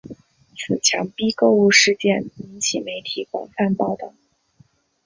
此强逼购物事件引起媒体广泛报道。